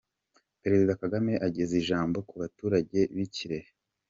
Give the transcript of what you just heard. Perezida Kagame ageza ijambo ku baturage b'i Kirehe.